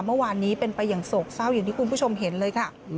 เมื่อวานนี้เป็นไปอย่างโศกเศร้าอย่างที่คุณผู้ชมเห็นเลยค่ะ